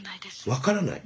分からない？